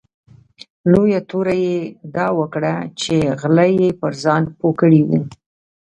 لویه توره یې دا وکړه چې غله یې پر ځان پوه کړي وو.